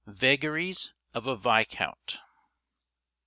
_Vagaries of a Viscount.